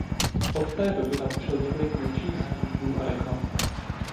Od té doby natočil několik menších snímků a reklam.